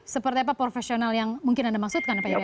seperti apa profesional yang mungkin anda maksudkan pak ya